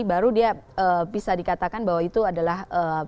baru dia bisa dikatakan bahwa itu adalah